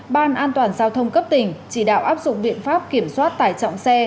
ban an toàn giao thông cấp tỉnh chỉ đạo áp dụng biện pháp kiểm soát tải trọng xe